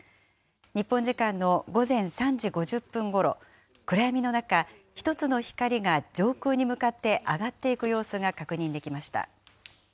日本時間の午前３時５０分ごろ、暗闇の中、１つの光が上空に向かって上がっていく様子が確認できました。